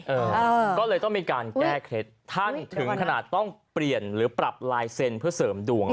เออก็เลยต้องมีการแก้เคล็ดท่านถึงขนาดต้องเปลี่ยนหรือปรับลายเซ็นต์เพื่อเสริมดวง